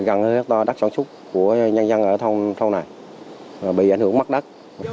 gần hơi hectare đất sản xuất của nhân dân ở thông này bị ảnh hưởng mất đất